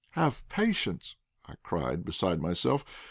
"Have patience!" I cried, beside myself.